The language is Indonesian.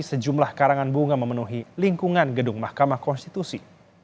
sejumlah karangan bunga memenuhi lingkungan gedung mahkamah konstitusi